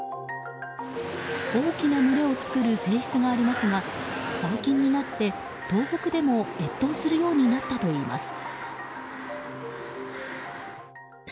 大きな群れを作る性質がありますが最近になって東北でも越冬するようになったといいます。